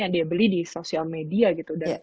yang dia beli di sosial media gitu